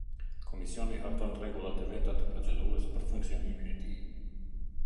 Komisioni harton rregullat e veta të procedurës për funksionimin e tij.